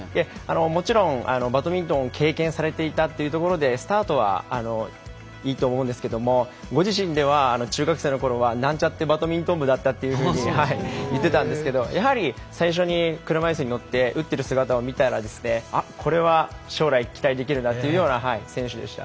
もちろんバドミントンを経験されていたというところでスタートはいいと思うんですけどもご自身では中学生のころはなんちゃってバドミントン部だったというふうに言ってたんですけどやはり最初に車いすに乗って打っている姿を見たらですねあっ、これは将来期待できるなというような選手でした。